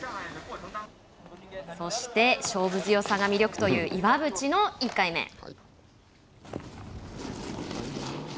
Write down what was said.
そして、勝負強さが魅力という岩渕の１回目。